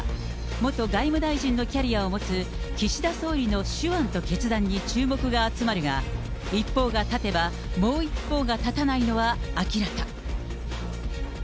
元外務大臣のキャリアを持つ岸田総理の手腕と決断に注目が集まるが、一方が立てばもう一方が立たないのは明らか。